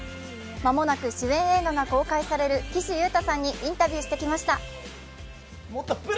間もなく主演映画が公開される岸優太さんにインタビューしてきました。